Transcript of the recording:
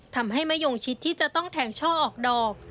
ทำให้มะยงชิดที่จะต้องแทงช่อออกดอก